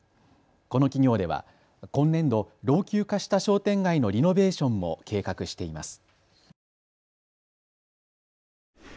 この企業では今年度、老朽化した商店街のリノベーションも計画しています。